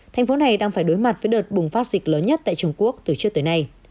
thành phố này đang phải đối mặt với đợt bùng phát dịch lớn nhất tại trung quốc từ trước tới nay